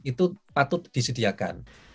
itu patut disediakan